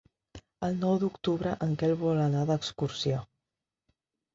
El nou d'octubre en Quel vol anar d'excursió.